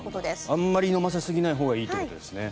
あんまり飲ませすぎないほうがいいということですね。